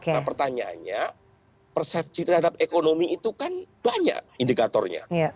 nah pertanyaannya persepsi terhadap ekonomi itu kan banyak indikatornya